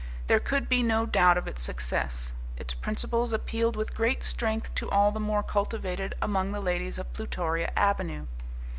There could be no doubt of its success. Its principles appealed with great strength to all the more cultivated among the ladies of Plutoria Avenue.